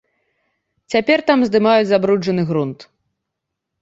Цяпер там здымаюць забруджаны грунт.